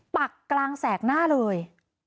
ปักกลางแสกหน้าเลย